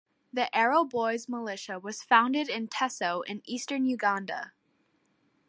The Arrow Boys militia was founded in Teso in eastern Uganda.